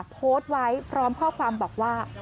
โพสต์ไว้พร้อมข้อความบอกว่า